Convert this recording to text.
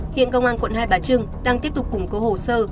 hiện công an quận hai bà trưng đang tiếp tục củng cố hồ sơ